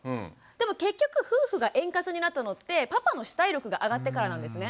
でも結局夫婦が円滑になったのってパパの主体力が上がってからなんですね。